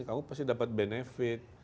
kamu pasti dapat benefit